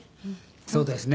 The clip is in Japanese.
そうですね。